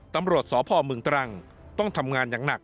ตำรวจสพเมืองตรังต้องทำงานอย่างหนัก